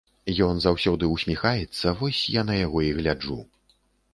Ён заўсёды усміхаецца, вось я на яго і гляджу.